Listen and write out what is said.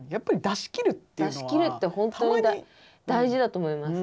出しきるって本当に大事だと思います。